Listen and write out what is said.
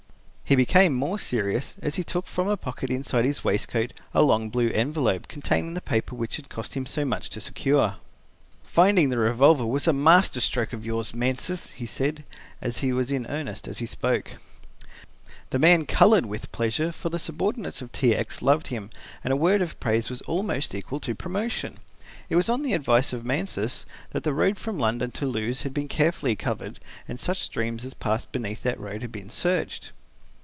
He became more serious as he took from a pocket inside his waistcoat a long blue envelope containing the paper which had cost him so much to secure. "Finding the revolver was a master stroke of yours, Mansus," he said, and he was in earnest as he spoke. The man coloured with pleasure for the subordinates of T. X. loved him, and a word of praise was almost equal to promotion. It was on the advice of Mansus that the road from London to Lewes had been carefully covered and such streams as passed beneath that road had been searched.